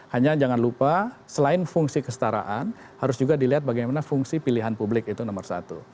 hanya jangan lupa selain fungsi kestaraan harus juga dilihat bagaimana fungsi pilihan publik itu nomor satu